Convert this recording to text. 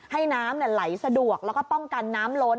ให้น้ำไหลสะดวกแล้วก็ป้องกันน้ำล้น